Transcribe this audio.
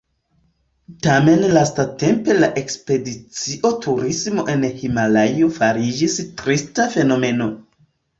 Tamen lastatempe la ekspedicio-turismo en Himalajo fariĝis trista fenomeno.